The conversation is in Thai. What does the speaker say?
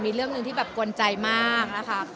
มีเรื่องหนึ่งที่แบบกวนใจมากนะคะ